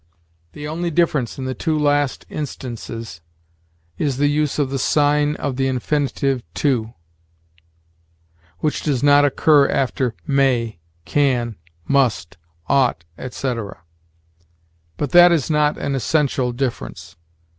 The only difference in the two last instances is the use of the sign of the infinitive 'to,' which does not occur after 'may,' 'can,' 'must,' 'ought,' etc.; but that is not an essential difference.